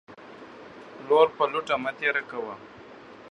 لور پر لوټه مه تيره کوه.